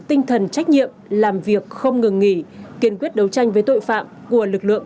tinh thần trách nhiệm làm việc không ngừng nghỉ kiên quyết đấu tranh với tội phạm của lực lượng